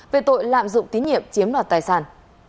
về tội lạm dụng tín nhiệm chiếm đoạt tài sản